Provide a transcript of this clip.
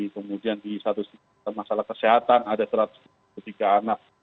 kemudian di satu masalah kesehatan ada satu ratus tiga anak